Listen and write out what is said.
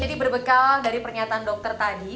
jadi berbekal dari pernyataan dokter tadi